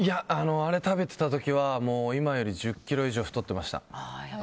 あれ食べてた時は今より１０ｋｇ以上太ってました。